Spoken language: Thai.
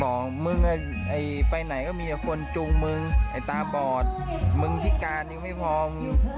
บอกมึงไอไปไหนก็มีคนจุงมึงไอตาบอดมึงพิการยังไม่พร้อม